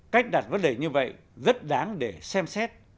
cách đặt vấn đề như vậy rất đáng để xem xét